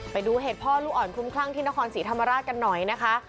ไปดูเหตุพ่อลูกอ่อนคลุ้มคลั่งที่นครศรีธรรมราชกันหน่อยนะคะ